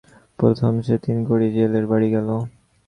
প্রথমে সে তিনকড়ি জেলের বাড়ি গেল।